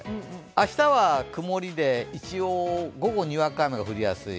明日は曇りで一応午後、にわか雨が降りやすい。